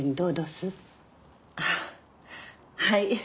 あっはい。